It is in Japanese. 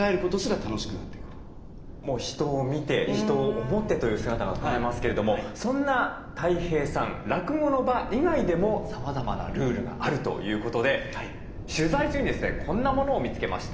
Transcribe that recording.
人を見て人を思ってという姿がうかがえますけれどもそんなたい平さん落語の場以外でもさまざまなルールがあるということで取材中にですねこんなものを見つけました。